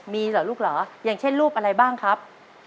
มีเหรอลูกเหรออย่างเช่นรูปอะไรบ้างครับ